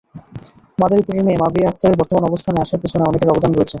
মাদারীপুরের মেয়ে মাবিয়া আক্তারের বর্তমান অবস্থানে আসার পেছনে অনেকের অবদান রয়েছে।